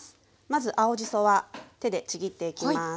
まず青じそは手でちぎっていきます。